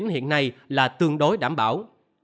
hiện nay là tương đối đảm bảo